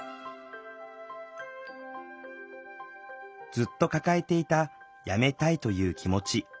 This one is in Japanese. ずっと抱えていた辞めたいという気持ち。